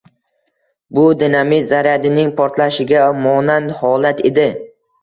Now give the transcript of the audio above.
bu dinamit zaryadining portlashiga monand holat edi.